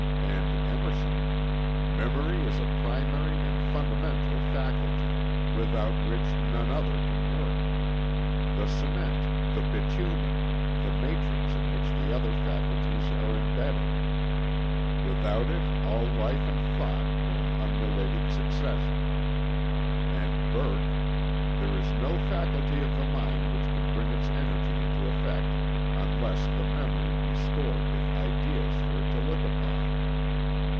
And Emerson: "Memory is a primary and fundamental faculty, without which none other can work: the cement, the bitumen, the matrix in which the other faculties are embedded. Without it all life and thought were an unrelated succession." And Burke: "There is no faculty of the mind which can bring its energy into effect unless the memory be stored with ideas for it to look upon."